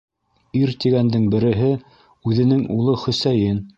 Ир тигәндең береһе - үҙенең улы Хөсәйен.